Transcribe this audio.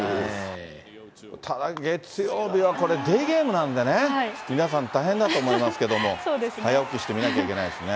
ただ、月曜日はこれ、デーゲームなのでね、皆さん、大変だと思いますけれども、早起きして見なきゃいけないですね。